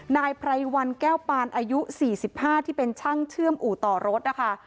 นายไพรวันแก้วปานอายุ๔๕ที่เป็นช่างเชื่อมอู่ต่อรถนะคะ